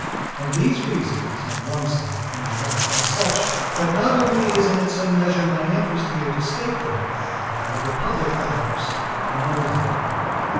And these reasons, on one side and the other, are such, that not only is it in some measure my interest here to state them, but that of the public, perhaps, to know them.